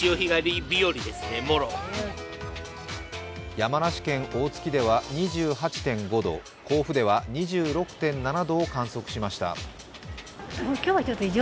山梨県大月では２８．５度甲府では２６．７度を観測しました。